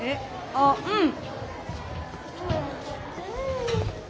あっうん！